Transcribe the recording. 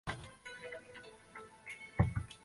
县名来自易洛魁联盟的成员之一奥农达加人。